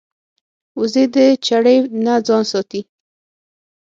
وزې د چړې نه ځان ساتي